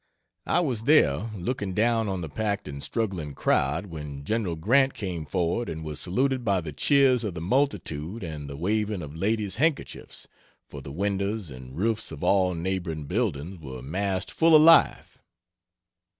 I was there, looking down on the packed and struggling crowd when Gen. Grant came forward and was saluted by the cheers of the multitude and the waving of ladies' handkerchiefs for the windows and roofs of all neighboring buildings were massed full of life.